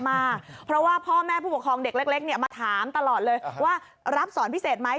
อาจารย์มากเพราะว่าพ่อแม่ผู้ปกครองเด็กเล็กมาถามตลอดเลยว่ารับสอนพิเศษไหม